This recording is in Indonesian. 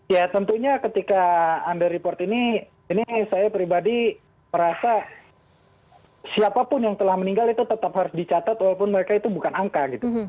ya tentunya ketika under report ini ini saya pribadi merasa siapapun yang telah meninggal itu tetap harus dicatat walaupun mereka itu bukan angka gitu